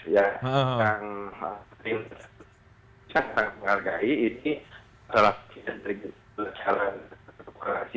yang saya menghargai ini adalah pencetak jalan operasi